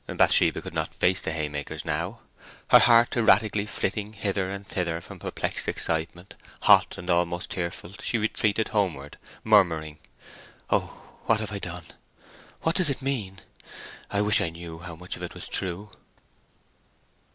Bathsheba could not face the haymakers now. Her heart erratically flitting hither and thither from perplexed excitement, hot, and almost tearful, she retreated homeward, murmuring, "Oh, what have I done! What does it mean! I wish I knew how much of it was true!"